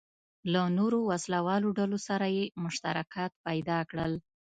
له نورو وسله والو ډلو سره یې مشترکات پیدا کړل.